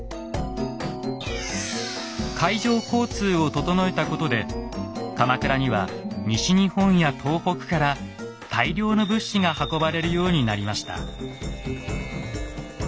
海上交通を整えたことで鎌倉には西日本や東北から大量の物資が運ばれるようになりました。